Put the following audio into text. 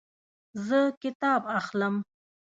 زه کتاب اخلم